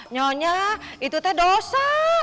nyonya itu teh dosa